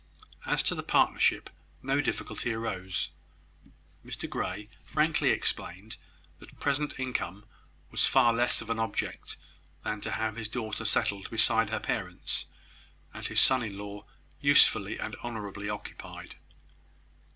As to the partnership, no difficulty arose. Mr Grey frankly explained that present income was far less of an object than to have his daughter settled beside her parents, and his son in law usefully and honourably occupied.